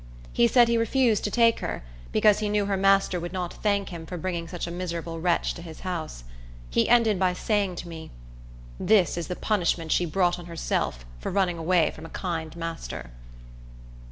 He said he refused to take her, because he knew her master would not thank him for bringing such a miserable wretch to his house. He ended by saying to me, "This is the punishment she brought on herself for running away from a kind master."